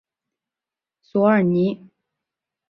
索尔尼。